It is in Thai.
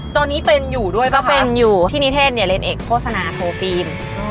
ตอนนี้เป็นอยู่ด้วยก็เป็นอยู่ที่นิเทศเนี่ยเรียนเอกโฆษณาโทฟิล์ม